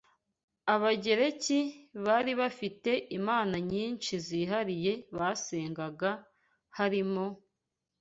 Abagereki bari bafite imana nyinshi zihariye basengaga, harimo